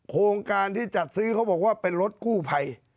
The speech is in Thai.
โครงการที่จัดซื้อเขาบอกว่าเป็นรถกู้ภัย